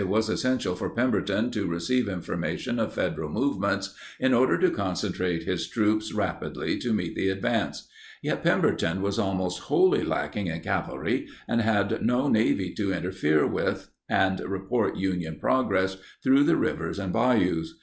Under such conditions it was essential for Pemberton to receive information of Federal movements in order to concentrate his troops rapidly to meet the advance. Yet Pemberton was almost wholly lacking in cavalry and had no navy to interfere with and report Union progress through the rivers and bayous.